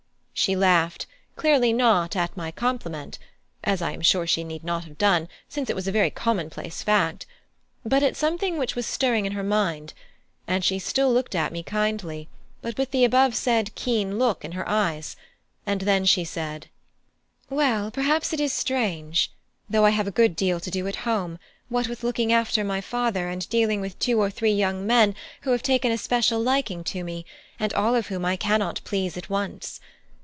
She laughed, clearly not at my compliment (as I am sure she need not have done, since it was a very commonplace fact), but at something which was stirring in her mind; and she still looked at me kindly, but with the above said keen look in her eyes, and then she said: "Well, perhaps it is strange, though I have a good deal to do at home, what with looking after my father, and dealing with two or three young men who have taken a special liking to me, and all of whom I cannot please at once.